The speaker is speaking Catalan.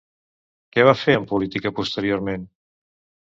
Què va fer en política posteriorment?